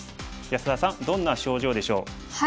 安田さんどんな症状でしょう？